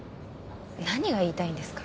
何が言いたいんですか？